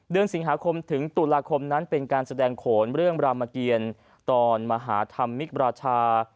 เดือนสิงหาคมถึงตุลาคมนั้นเป็นการแสดงโขนเรื่องรามเกียรตอนมหาธรรมมิกราชา